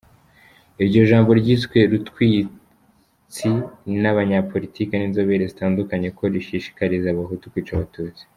Iryo jambo ryiswe rutwitsi n’abanyapolitiki n’inzobere zitandukanye ko rishishikariza Abahutu kwica Abatutsi.